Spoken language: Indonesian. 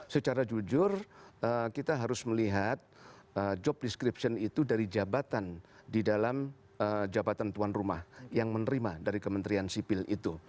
secara jujur kita harus melihat job description itu dari jabatan di dalam jabatan tuan rumah yang menerima dari kementerian sipil itu